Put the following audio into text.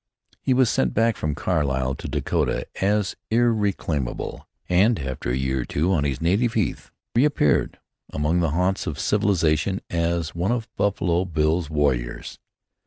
He was sent back from Carlisle to Dakota as irreclaimable, and after a year or two on his native heath, reappeared among the haunts of civilization as one of Buffalo Bill's warriors.